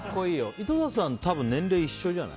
井戸田さん、年齢一緒じゃない？